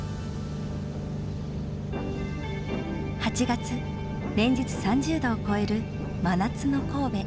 ８月連日３０度を超える真夏の神戸。